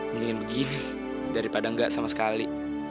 mungkin begini daripada enggak sama sekali